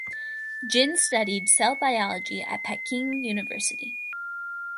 Jin studied cell biology at the Peking University.